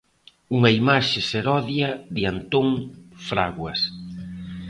Unha imaxe serodia de Antón Fraguas.